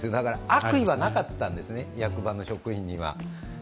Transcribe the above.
悪意はなかったんですね、役場の職員には。